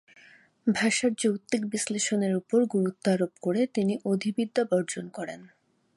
ভাষার যৌক্তিক বিশ্লেষণের উপর গুরুত্ব আরোপ করে তিনি অধিবিদ্যা বর্জন করেন।